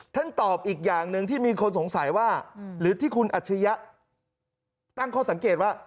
ท่านตอบอีกอย่างหนึ่งที่มีคนสงสัยว่าหรือที่คุณอัจฉริยะตั้งข้อสังเกตว่า